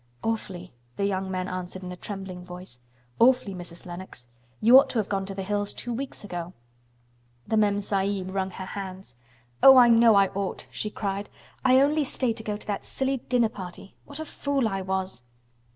"Awfully," the young man answered in a trembling voice. "Awfully, Mrs. Lennox. You ought to have gone to the hills two weeks ago." The Mem Sahib wrung her hands. "Oh, I know I ought!" she cried. "I only stayed to go to that silly dinner party. What a fool I was!"